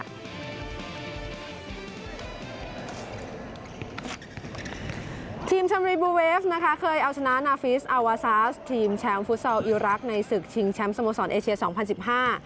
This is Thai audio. ทีมชมรีบูเวฟนะคะเคยเอาชนะนาฟิสอัลวาซาสทีมแชมป์ฟุตซอลอิรักษ์ในศึกชิงแชมป์สโมสรเอเชียสองพันสิบห้า